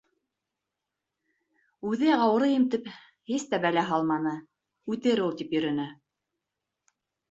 Үҙе, ауырыйым, тип һис тә бәлә һалманы, үтер ул, тип йөрөнө.